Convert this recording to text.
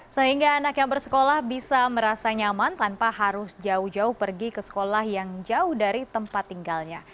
sehingga anak yang bersekolah bisa merasa nyaman tanpa harus jauh jauh pergi ke sekolah yang jauh dari tempat tinggalnya